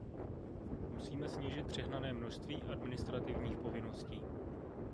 Musíme snížit přehnané množství administrativních povinností.